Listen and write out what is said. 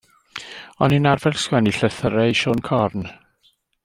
O'n i'n arfer sgwennu llythyrau i Siôn Corn.